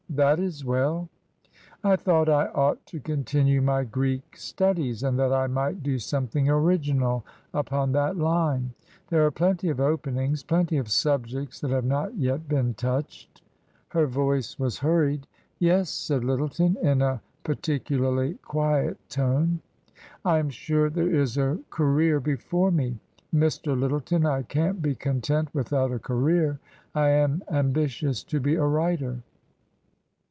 "That is well." " I thought I ought to continue my Greek studies, and that I might do something original upon that line. There are plenty of openings, plenty of subjects that have not yet been touched." Her voice was hurried. " Yes," said Lyttleton, in a particularly quiet tone. " I am sure there is a career before me. Mr. Lyttleton, I can't be content without a career. I am ambitious to be a writer."